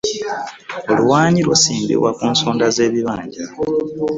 Oluwanyi lusimbibwa ku nsonda zebibanja.